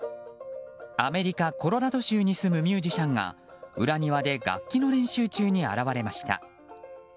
アメリカ・コロラド州に住むミュージシャンが裏庭で楽器の練習中に現れました。